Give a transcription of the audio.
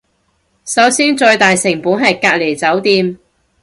首先最大成本係隔離酒店